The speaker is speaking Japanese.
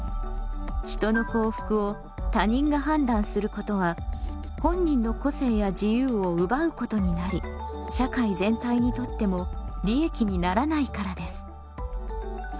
人の幸福を他人が判断することは本人の個性や自由を奪うことになり社会全体にとっても利益にならないからです。